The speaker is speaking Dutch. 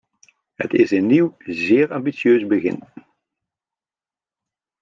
Het is een nieuw, zeer ambitieus begin.